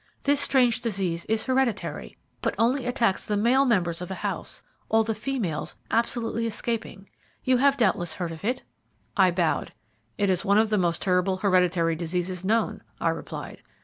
This strange disease is hereditary, but only attacks the male members of a house, all the females absolutely escaping. You have doubtless heard of it?" I bowed. "It is one of the most terrible hereditary diseases known," I replied.